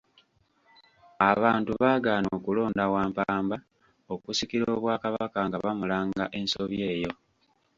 Abantu baagaana okulonda Wampamba okusikira Obwakabaka nga bamulanga ensobi eyo.